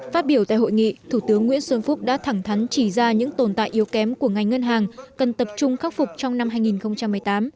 phát biểu tại hội nghị thủ tướng nguyễn xuân phúc đã thẳng thắn chỉ ra những tồn tại yếu kém của ngành ngân hàng cần tập trung khắc phục trong năm hai nghìn một mươi tám